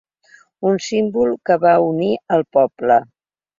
Un símbol que va unir al poble.